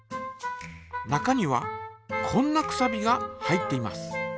中にはこんなくさびが入っています。